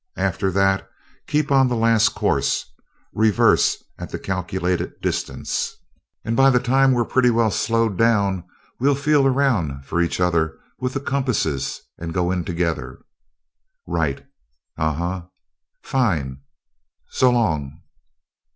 After that, keep on the last course, reverse at the calculated distance, and by the time we're pretty well slowed down, we'll feel around for each other with the compasses and go in together.... Right.... Uh huh.... Fine! So long!"